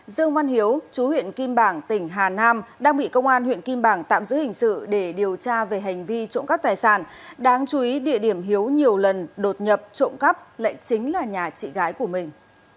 dương văn hiếu chú huyện kim bảng tỉnh hà nam đang bị công an huyện kim bảng tạm giữ hình sự để điều tra về hành vi trộm cắp tài sản đáng chú ý địa điểm hiếu nhiều lần đột nhập trộm cắp lại chính là nhà chị gái của mình